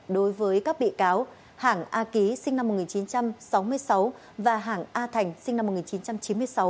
đối với các bị cáo hàng a ký sinh năm một nghìn chín trăm sáu mươi sáu và hàng a thành sinh năm một nghìn chín trăm chín mươi sáu